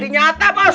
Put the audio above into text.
tidak nyata bos